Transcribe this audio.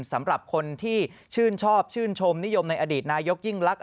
สำหรับคนที่ชื่นชอบชื่นชมนิยมในอดีตนายกยิ่งลักษณ